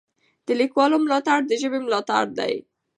د لیکوالو ملاتړ د ژبې ملاتړ دی.